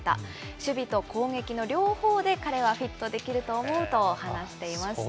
守備と攻撃の両方で彼はフィットできると思うと話していました。